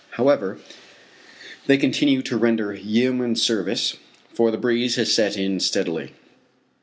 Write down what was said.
However, they continue to render yeoman's service, for the breeze has set in steadily.